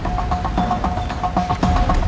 pada saat tidur